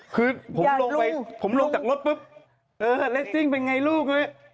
คือผมลงจากรถปุ๊บเลสซิงเป็นไงลูก